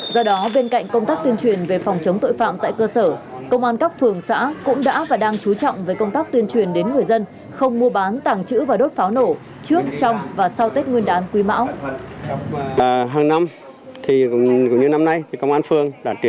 do đó bên cạnh công tác tuyên truyền về phòng chống tội phạm tại cơ sở công an các phường xã cũng đã và đang chú trọng với công tác tuyên truyền đến người dân không mua bán tàng trữ và đốt pháo nổ trước trong và sau tết nguyên đán quý mão